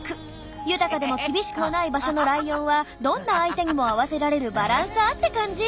豊かでも厳しくもない場所のライオンはどんな相手にも合わせられるバランサーって感じ。